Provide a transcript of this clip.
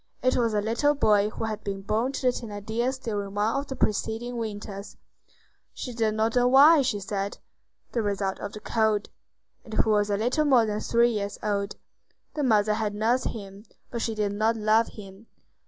It was a little boy who had been born to the Thénardiers during one of the preceding winters,—"she did not know why," she said, "the result of the cold,"—and who was a little more than three years old. The mother had nursed him, but she did not love him.